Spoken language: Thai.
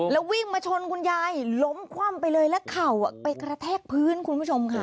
แล้ววิ่งมาชนคุณยายล้มคว่ำไปเลยและเข่าไปกระแทกพื้นคุณผู้ชมค่ะ